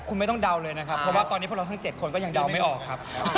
เพราะตอนนี้ทั้ง๗คนก็ยังยาวไม่ออกครับ